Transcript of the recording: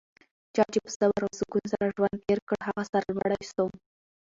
چا چي په صبر او سکون سره ژوند تېر کړ؛ هغه سرلوړی سو.